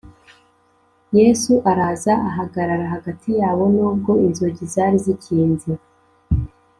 Yesu araza ahagarara hagati yabo nubwo inzugi zari zikinze